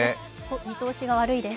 見通しが悪いです。